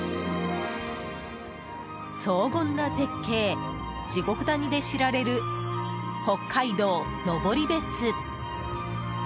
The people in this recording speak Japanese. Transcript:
荘厳な絶景地獄谷で知られる北海道登別。